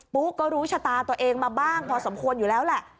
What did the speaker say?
ุ๊ก็รู้ชะตาตัวเองมาบ้างพอสมควรอยู่แล้วแหละ